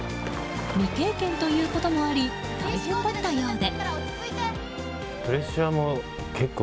未経験ということもあり大変だったようで。